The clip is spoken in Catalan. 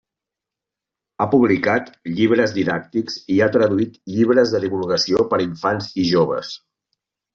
Ha publicat llibres didàctics i ha traduït llibres de divulgació per a infants i joves.